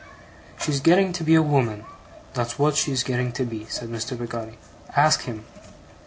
'She's getting to be a woman, that's wot she's getting to be,' said Mr. Peggotty. 'Ask HIM.